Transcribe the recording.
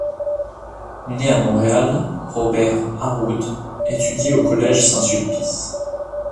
Né à Montréal, Robert Harwood étudie au Collège Saint-Sulpice.